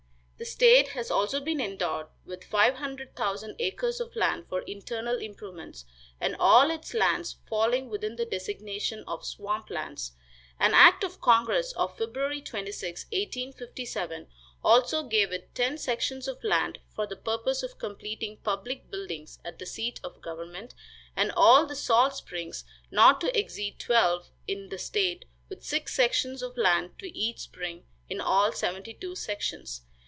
The state has also been endowed with five hundred thousand acres of land for internal improvements, and all its lands falling within the designation of swamp lands. An act of congress, of Feb. 26, 1857, also gave it ten sections of land for the purpose of completing public buildings at the seat of government, and all the salt springs, not to exceed twelve, in the state, with six sections of land to each spring, in all seventy two sections.